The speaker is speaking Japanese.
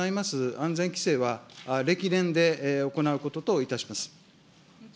安全規制は、暦年で行うことといたします。